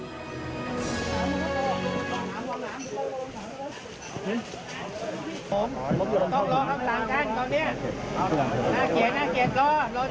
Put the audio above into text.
อ๋อไปต่อรถพยาบาล